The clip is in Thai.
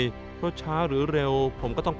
ไม่ว่าผมจะวิ่งให้เร็วหรือช้าลงนิดนึงก็ไม่เป็นไร